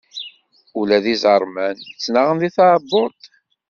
Ula d iẓerman ttnaɣen di tɛebbuḍt.